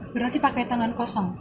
berarti pakai tangan kosong